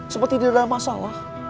seperti tidak ada masalah